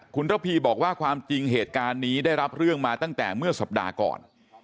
คุณระพีบอกว่าความจริงเหตุการณ์นี้ได้รับเรื่องมาตั้งแต่เมื่อสัปดาห์ก่อน